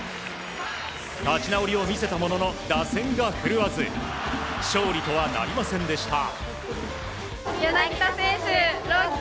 立ち直りを見せたものの打線が振るわず勝利とはなりませんでした。